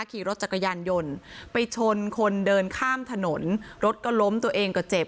ขี่รถจักรยานยนต์ไปชนคนเดินข้ามถนนรถก็ล้มตัวเองก็เจ็บ